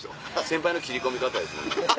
先輩の切り込み方ですよね。